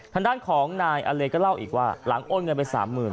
ทางด้านของนายอเลก็เล่าอีกว่าหลังโอนเงินไป๓๐๐๐